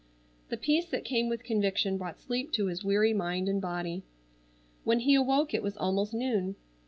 The peace that came with conviction brought sleep to his weary mind and body. When he awoke it was almost noon.